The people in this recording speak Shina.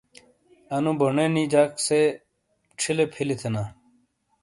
انو بونےنی جک ڇیک سے ڇھیے پِھل تھینا۔